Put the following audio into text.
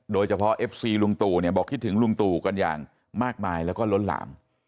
โดยเฉพาะเอฟซีลุงตู่เนี่ยบอกคิดถึงลุงตู่กันอย่างมากมายแล้วก็ล้นหลาม